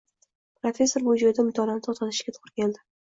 Professor shu joyida mutolaani to`xtatishiga to`g`ri keldi